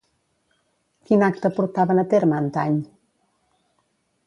Quin acte portaven a terme antany?